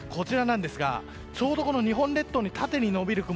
ちょうど日本列島に縦に延びる雲